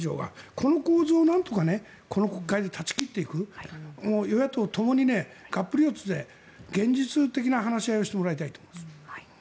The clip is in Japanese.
この構図を、なんとかこの国会で断ち切っていく与野党ともにがっぷり四つで現実的な話し合いをしてもらいたいと思います。